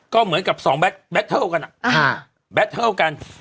ก็เหมือนกับ๒แบตเทิลกันแบตเทิลกัน